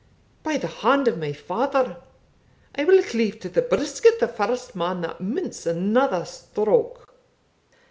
By the hand of my father, I will cleave to the brisket the first man that mints another stroke!"